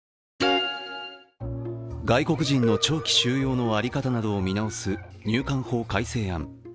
外国人の長期収容の在り方などを見直す入管法改正案。